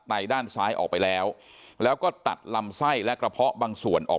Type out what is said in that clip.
ด้านซ้ายออกไปแล้วแล้วก็ตัดลำไส้และกระเพาะบางส่วนออก